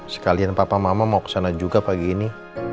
sekalian papa mama mau kesana juga pagi ini